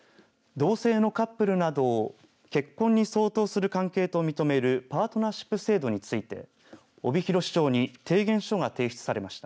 同性のカップルなどを結婚に相当する関係と認めるパートナーシップ制度について帯広市長に提言書が提出されました。